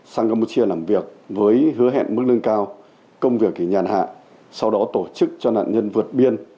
sang campuchia làm việc với hứa hẹn mức lương cao công việc nhàn hạ sau đó tổ chức cho nạn nhân vượt biên